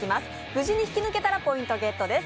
無事に引き抜けたらポイントゲットです。